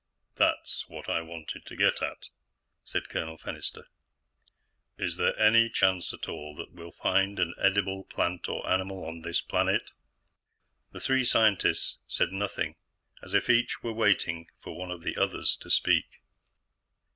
"That's what I wanted to get at," said Colonel Fennister. "Is there any chance at all that we'll find an edible plant or animal on this planet?" The three scientists said nothing, as if each were waiting for one of the others to speak.